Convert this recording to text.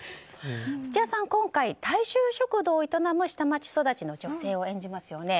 土屋さん、今回大衆食堂を営む下町育ちの女性を演じますよね。